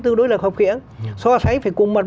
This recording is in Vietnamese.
tương đối là hợp khiển so sánh phải cùng mặt